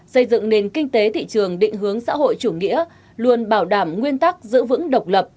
xây dựng nền kinh tế thị trường định hướng xã hội chủ nghĩa luôn bảo đảm nguyên tắc giữ vững độc lập